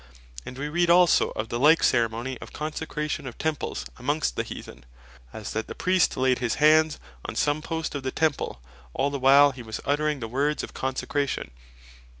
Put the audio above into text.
And we read also of the like ceremony of Consecration of Temples amongst the Heathen, as that the Priest laid his Hands on some post of the Temple, all the while he was uttering the words of Consecration.